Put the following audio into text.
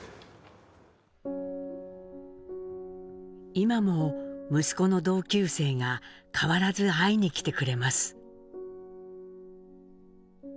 今も息子の同級生が変わらず会いに来てくれます。